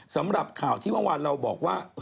สำหรับข่าวที่วันแล้วบอกว่า